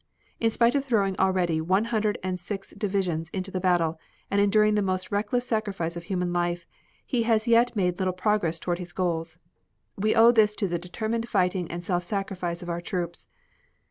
In spite of throwing already one hundred and six divisions into the battle and enduring the most reckless sacrifice of human life, he has yet made little progress toward his goals. We owe this to the determined fighting and self sacrifice of our troops.